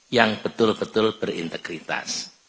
yang betul betul berintegritas